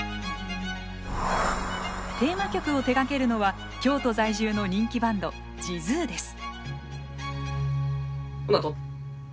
テーマ曲を手がけるのは京都在住の人気バンドｊｉｚｕｅです。